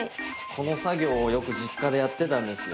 この作業をよく実家でやってたんですよ。